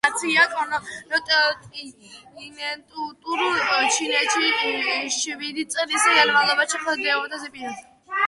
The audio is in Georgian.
პრაქტიკის პოპულარიზაცია კონტინენტურ ჩინეთში შვიდი წლის განმავლობაში ხდებოდა ზეპირსიტყვიერად.